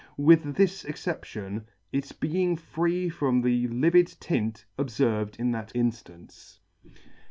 with this exception, its being free from the livid tint obferved in that in fiance.